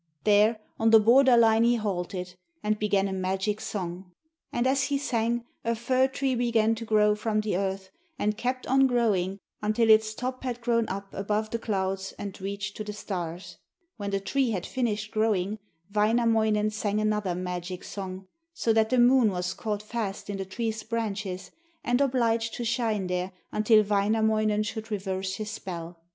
There, on the border line he halted, and began a magic song. And as he sang a fir tree began to grow from the earth, and kept on growing until its top had grown up above the clouds and reached to the stars. When the tree had finished growing, Wainamoinen sang another magic song, so that the moon was caught fast in the tree's branches and obliged to shine there until Wainamoinen should reverse his spell.